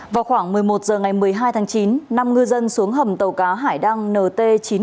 vào khoảng một mươi một h ngày một mươi hai tháng chín năm ngư dân xuống hầm tàu cá hải đăng nt chín mươi một nghìn ba trăm sáu mươi